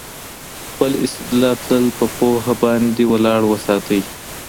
خپل استدلال تل په پوهه باندې ولاړ وساتئ.